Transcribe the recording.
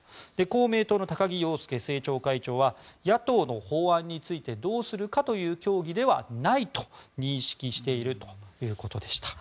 公明党の高木陽介政調会長は野党の法案についてどうするかという協議ではないと認識しているということでした。